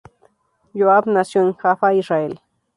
Yoav nació en Jaffa, Israel.